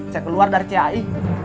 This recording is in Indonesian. saya keluar dari cai